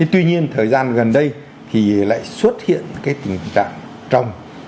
tuy nhiên thời gian gần đây thì lại xuất hiện cái tình trạng trồng